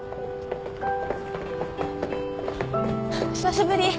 久しぶり。